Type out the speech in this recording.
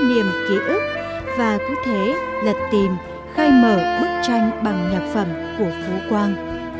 niềm ký ức và cụ thể lật tìm khai mở bức tranh bằng nhạc phẩm của phú quang